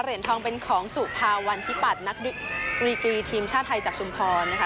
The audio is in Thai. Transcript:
เหรียญทองเป็นของสุภาวันที่ปัตย์นักรีกรีทีมชาติไทยจากชุมพรนะคะ